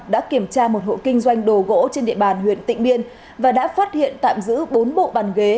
đã kiểm tra một hộ kinh doanh đồ gỗ trên địa bàn huyện tịnh biên và đã phát hiện tạm giữ bốn bộ bàn ghế